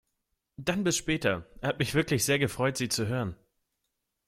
Dann bis später. Hat mich wirklich sehr gefreut Sie zu hören!